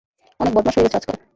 অনেক বদমাশ হয়ে গেছো আজকাল।